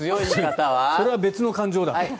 それは別の感情だ。